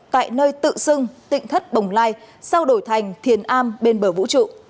tại nơi tự sưng tịnh thất bồng lai sau đổi thành thiền am bên bờ vũ trụ